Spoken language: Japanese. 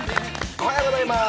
おはようございます。